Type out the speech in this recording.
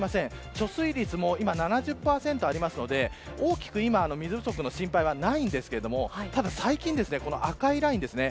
貯水率も今、７０％あるので大きく今水不足の心配はないんですがただ最近、赤いラインですね